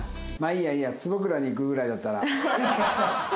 まあいいやいいや坪倉にいくぐらいだったら。